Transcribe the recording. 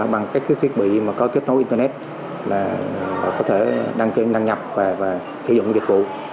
bằng các thiết bị có kết nối internet là có thể đăng ký đăng nhập và sử dụng dịch vụ